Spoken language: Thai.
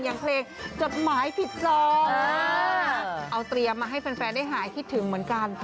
อย่างเพลงจดหมายผิดจอเอาเตรียมมาให้แฟนได้หายคิดถึงเหมือนกัน